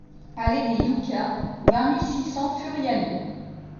Allée des Yuccas, vingt mille six cents Furiani